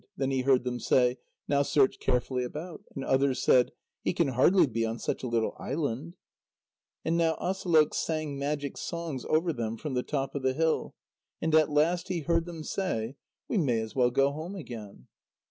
Then he heard them say: "Now search carefully about." And others said: "He can hardly be on such a little island." And now Asalôq sang magic songs over them from the top of the hill, and at last he heard them say: "We may as well go home again."